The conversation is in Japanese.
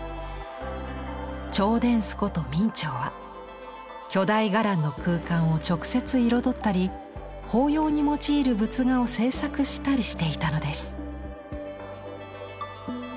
兆殿司こと明兆は巨大伽藍の空間を直接彩ったり法要に用いる仏画を制作したりしていたのです。